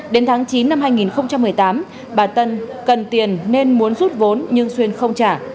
đến tháng chín năm hai nghìn một mươi tám bà tân cần tiền nên muốn rút vốn nhưng xuyên không trả